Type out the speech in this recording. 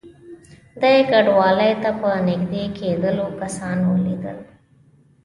دې کنډوالې ته په نږدې کېدلو کسان ولیدل.